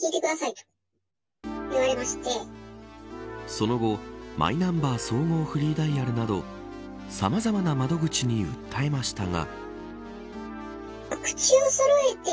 その後マイナンバー総合フリーダイヤルなどさまざまな窓口に訴えましたが。